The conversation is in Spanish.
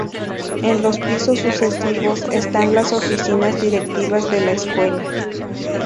En los pisos sucesivos, están las oficinas directivas de la Escuela.